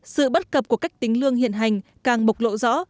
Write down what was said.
sự bất cập của cách tính lương hiện hành càng bộc lộ rõ